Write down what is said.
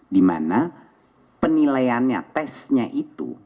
dimana penilaiannya testnya itu